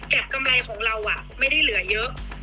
กำไรของเราไม่ได้เหลือเยอะ